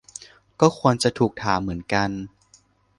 ก็ควรจะถูกถามเหมือนกัน